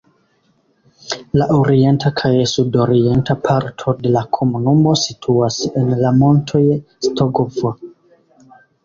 La orienta kaj sudorienta parto de la komunumo situas en la montoj Stogovo.